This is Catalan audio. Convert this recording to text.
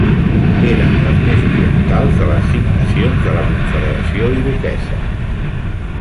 Eren les més orientals de les Cinc Nacions de la Confederació Iroquesa.